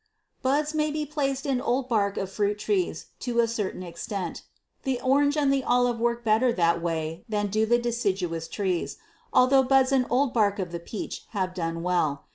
Buds may be placed in old bark of fruit trees to a certain extent. The orange and the olive work better that way than do the deciduous trees, although buds in old bark of the peach have done well.